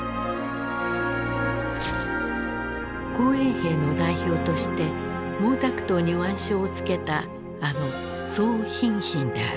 紅衛兵の代表として毛沢東に腕章をつけたあの宋彬彬である。